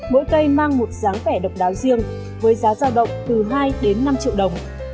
mỗi cây mang một dáng vẻ độc đáo riêng với giá giao động từ hai đến năm triệu đồng